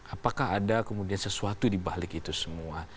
apakah ada kemudian sesuatu dibalik itu semua